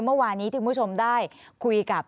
เมื่อวานี้ที่คุณผู้ชมได้คุยกับ